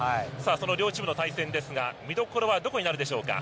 その両チームの対戦ですが見どころはどこになるでしょうか。